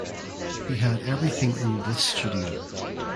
He had everything in this studio.